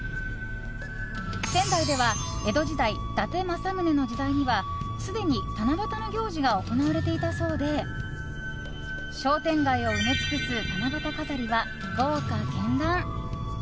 仙台では江戸時代伊達政宗の時代にはすでに七夕の行事が行われていたそうで商店街を埋め尽くす七夕飾りは豪華絢爛。